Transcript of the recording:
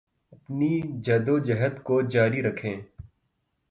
پنی جدوجہد کو جاری رکھیں